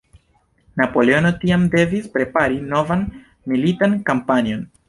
Napoleono tiam devis prepari novan militan kampanjon.